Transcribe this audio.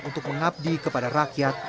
untuk mengabdi kepada rakyat